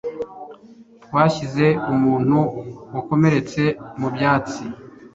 Twashyize umuntu wakomeretse mu byatsi.